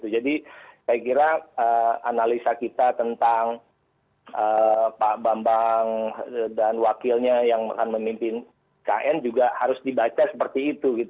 jadi saya kira analisa kita tentang pak bambang dan wakilnya yang akan memimpin kn juga harus dibaca seperti itu